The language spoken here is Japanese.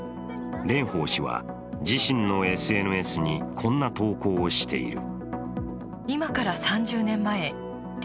蓮舫氏は自身のＳＮＳにこんな投稿をしている。